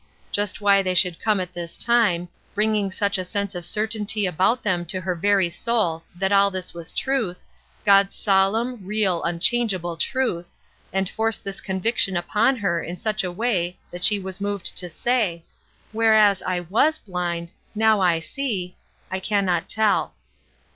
Just why they should come at this time, bringing such a sense of certainty about them to her very soul that all this was truth, God's solemn, real, unchangeable truth, and force this conviction upon her in such a way that she was moved to say, "Whereas I was blind, now I see," I can not tell.